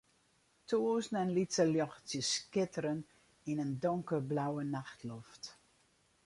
Tûzenen lytse ljochtsjes skitteren yn in donkerblauwe nachtloft.